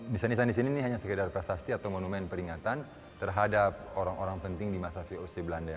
desain desain di sini ini hanya sekedar prasasti atau monumen peringatan terhadap orang orang penting di masa voc belanda